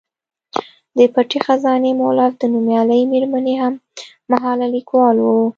د پټې خزانې مولف د نومیالۍ میرمنې هم مهاله لیکوال و.